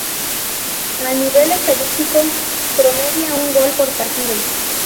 A nivel estadístico promedia un gol por partido.